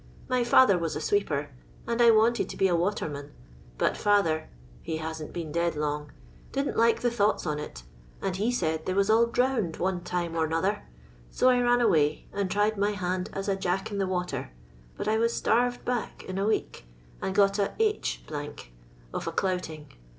Hy fiither was a sweeper, and I wanted to be a water man, but &ther — ^he hasn't been dead long^« didn't like the thoughts on it, as he said they was all drownded one time or 'nother; so I ran away and tried my hand as a Jack in the water, but I was starved back in a week, and got a h of a clouting.